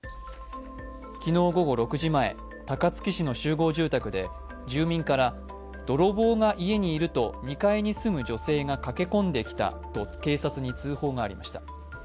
昨日午後６時前、高槻市の集合住宅で、住民から泥棒が家にいると２階に住む女性が駆け込んできたと警察に通報がありました。